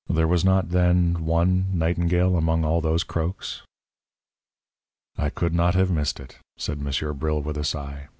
"There was not, then, one nightingale among all those croaks?" "I could not have missed it," said Monsieur Bril, with a sigh.